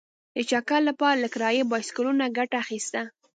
د چکر لپاره له کرايي بایسکلونو ګټه اخیسته.